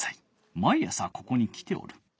毎朝ここに来ておる。